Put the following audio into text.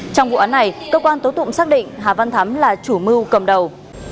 trong vụ án này cơ quan tố tụng xác định hà văn thắm là chủ mưu cầm đầu